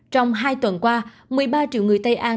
trong hai tuần qua một mươi ba triệu người tây an